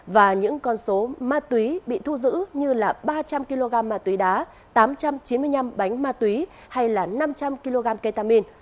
và những con số ma túy bị thu giữ như là ba trăm linh kg ma túy đá tám trăm chín mươi năm bánh ma túy hay là năm trăm linh kg ketamin